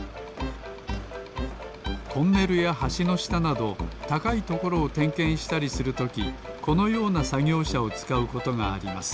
トンネルやはしのしたなどたかいところをてんけんしたりするときこのようなさぎょうしゃをつかうことがあります